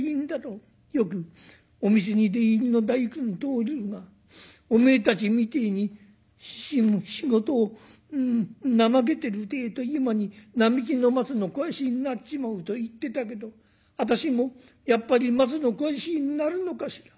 よくお店に出入りの大工の棟梁が『おめえたちみてえに仕事を怠けてるてえと今に並木の松の肥やしになっちまう』と言ってたけど私もやっぱり松の肥やしになるのかしら？